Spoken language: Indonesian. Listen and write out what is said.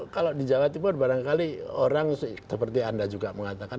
kalau di jawa timur barangkali orang seperti anda juga mengatakan